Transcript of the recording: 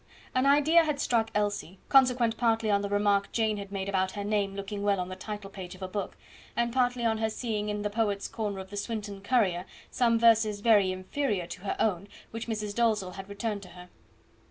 An idea had struck Elsie, consequent partly on the remark Jane had made about her name looking well on the title page of a book, and partly on her seeing in the Poet's Corner of the SWINTON COURIER some verses very inferior to her own which Mrs. Dalzell had returned to her.